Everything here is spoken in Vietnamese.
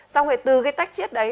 xong rồi từ cái tách chiết đấy